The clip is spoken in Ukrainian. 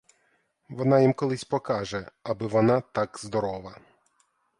Вона їм колись покаже, аби вона так здорова.